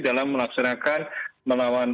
dalam melaksanakan melawan